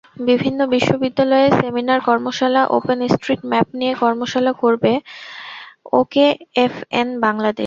বিভিন্ন বিশ্ববিদ্যালয়ে সেমিনার, কর্মশালা, ওপেন স্ট্রিট ম্যাপ নিয়ে কর্মশালা করবে ওকেএফএন বাংলাদেশ।